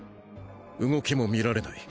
動きも見られない。